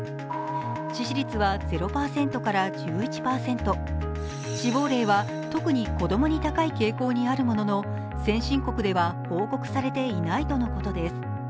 致死率は０％から１１％、死亡例は特に子供に高い傾向にあるものの、先進国では報告されていないとのことです。